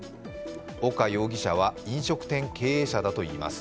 岡容疑者は飲食店経営者だということです。